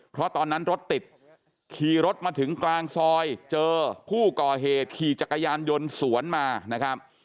เพราะตอนนั้นรถติดขี่รถมาถึงกลางซอยเจอผู้ก่อเหตุขี่จักรยานยนต์สวนมานะครับ